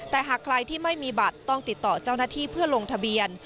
แต่หากใครที่ไม่มีบัตรต้องติดต่อเจ้าหน้าที่เพื่อลงทะเบียน